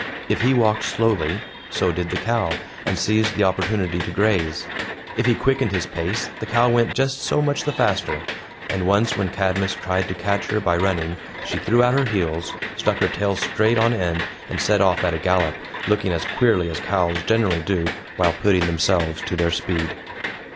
If he walked slowly, so did the cow, and seized the opportunity to graze. If he quickened his pace, the cow went just so much the faster; and once, when Cadmus tried to catch her by running, she threw out her heels, stuck her tail straight on end, and set off at a gallop, looking as queerly as cows generally do, while putting themselves to their speed.